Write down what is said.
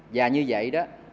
và như vậy đó